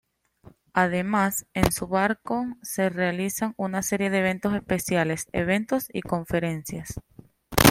Además, en su marco se realizan una serie de eventos especiales, eventos y conferencias.